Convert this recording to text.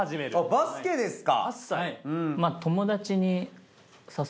バスケですか！